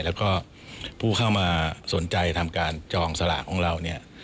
แล้วก็ผู้เข้ามาสนใจทำการจองสลากของเราเนี่ย